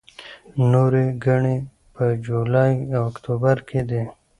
نورې ګڼې په جولای او اکتوبر کې دي.